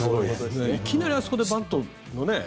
いきなりあそこでバントでね。